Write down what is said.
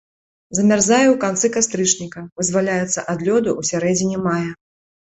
Замярзае ў канцы кастрычніка, вызваляецца ад лёду ў сярэдзіне мая.